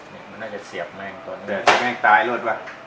แมงมันน่าจะเสียบแม่งตัวเนี้ยแต่แม่งตายรวดว่ะ